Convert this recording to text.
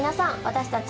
私たち。